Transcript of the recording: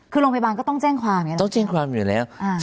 คือโรงพยาบาลก็ต้องแจ้งความต้องแจ้งความอยู่แล้ว